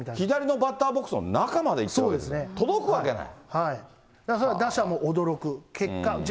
バッターボックスの中まで行くわけで、届くわけない。